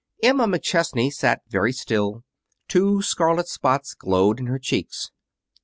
Emma McChesney sat very still. Two scarlet spots glowed in her cheeks.